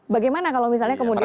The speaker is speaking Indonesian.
bagaimana kalau misalnya kemudian